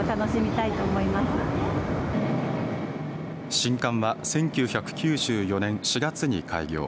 新館は１９９４年４月に開業。